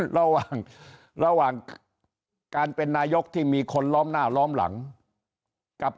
ระหว่างระหว่างการเป็นนายกที่มีคนล้อมหน้าล้อมหลังกับ